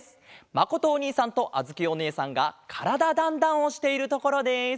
まことおにいさんとあづきおねえさんが「からだ★ダンダン」をしているところです。